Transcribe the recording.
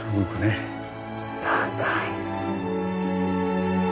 高い。